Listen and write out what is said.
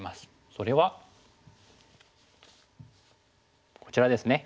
それはこちらですね。